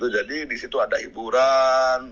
jadi disitu ada hiburan